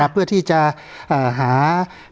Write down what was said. เพื่อที่จะหา